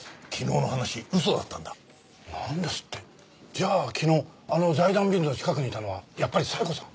じゃあ昨日あの財団ビルの近くにいたのはやっぱり冴子さん。